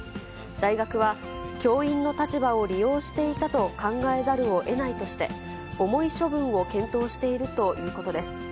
大学は、教員の立場を利用していたと考えざるをえないとして、重い処分を検討しているということです。